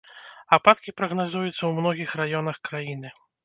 Ападкі прагназуюцца ў многіх раёнах краіны.